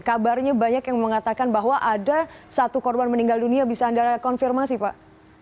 kabarnya banyak yang mengatakan bahwa ada satu korban meninggal dunia bisa anda konfirmasi pak